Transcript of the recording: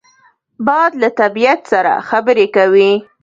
باد له طبیعت سره خبرې کوي